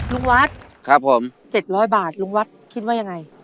ลุงวัดครับผม๗๐๐บาทลุงวัดคิดว่ายังไง